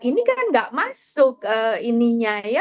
ini kan nggak masuk ini nya ya